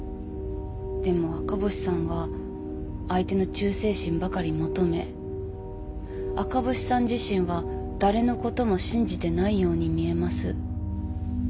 でも赤星さんは相手の忠誠心ばかり求め赤星さん自身は誰のことも信じてないように見えます。